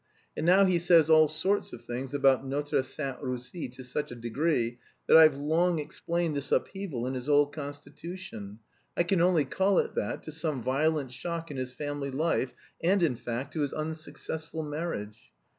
And now he says all sorts of things about notre Sainte Russie to such a degree that I've long explained this upheaval in his whole constitution, I can only call it that, to some violent shock in his family life, and, in fact, to his unsuccessful marriage.